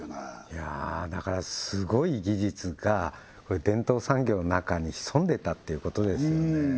いやだからすごい技術がこういう伝統産業の中に潜んでたっていうことですよね